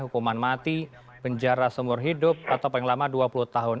hukuman mati penjara seumur hidup atau paling lama dua puluh tahun